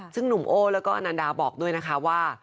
ซึ่งหนุ่มโอ้แล้วก็อนันดาบอกด้วยนะคะว่า